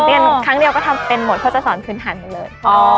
เรียนครั้งเดียวก็ทำเป็นหมดเพราะจะสอนพื้นฐานไปเลย